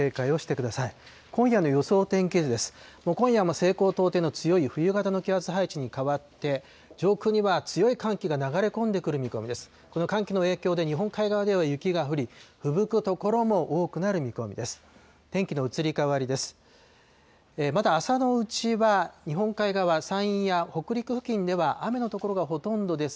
この寒気の影響で、日本海側では雪が降り、ふぶく所も多くなる見込みです。